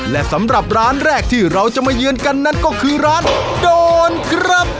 และสำหรับร้านแรกที่เราจะมาเยือนกันนั่นก็คือร้านโดนครับ